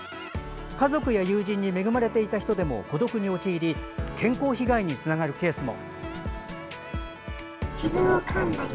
家族や友人に恵まれていた人でも孤独に陥り健康被害につながるケースも。